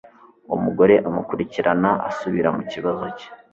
uwo mugore amukurikirana asubira mu kibazo cye.